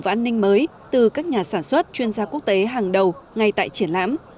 và an ninh mới từ các nhà sản xuất chuyên gia quốc tế hàng đầu ngay tại triển lãm